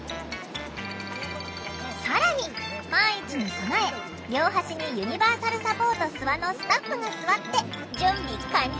更に万一に備え両端に「ユニバーサルサポートすわ」のスタッフが座って準備完了！